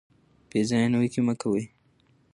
بې ځایه نیوکې مه کوئ.